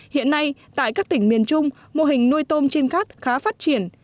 hiện nay tại các tỉnh miền trung mô hình nuôi tôm trên cát khá phát triển